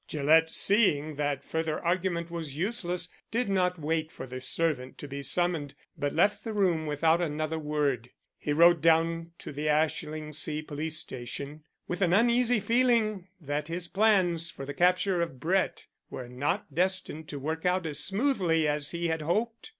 Gillett, seeing that further argument was useless, did not wait for the servant to be summoned, but left the room without another word. He rode down to the Ashlingsea police station, with an uneasy feeling that his plans for the capture of Brett were not destined to work out as smoothly as he had hoped.